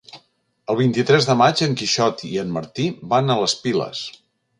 El vint-i-tres de maig en Quixot i en Martí van a les Piles.